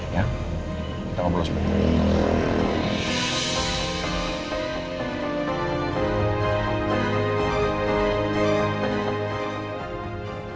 ya kita ngobrol sepeda